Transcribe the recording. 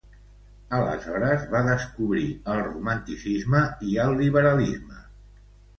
Aleshores va descobrir el Romanticisme i el Liberalisme.